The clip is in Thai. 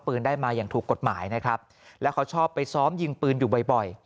ได้มาอย่างถูกกฎหมายนะครับแล้วเขาชอบไปซ้อมยิงปืนอยู่บ่อยบ่อย